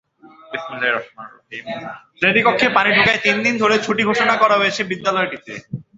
শ্রেণিকক্ষে পানি ঢোকায় তিন দিন ধরে ছুটি ঘোষণা করা হয়েছে বিদ্যালয়টিতে।